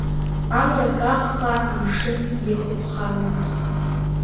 Амра каххаа амшын ихыԥхалоит.